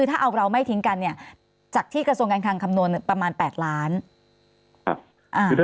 ถ้าเอาเราไม่ทิ้งกันเนี่ยจากที่กระทรวงการคังคำนวณประมาณ๘ล้าน